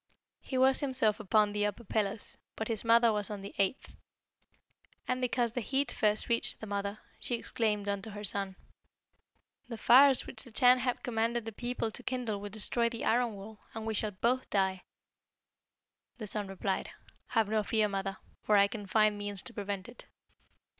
He was himself upon the upper pillars, but his mother was on the eighth. And because the heat first reached the mother, she exclaimed unto her son, 'The fires which the Chan has commanded the people to kindle will destroy the iron wall, and we shall both die.' The son replied, 'Have no fear, mother, for I can find means to prevent it.'